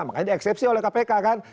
makanya dieksepsi oleh kpk kan